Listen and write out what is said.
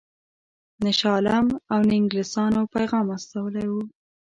نه شاه عالم او نه انګلیسیانو پیغام استولی وو.